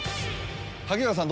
萩原さん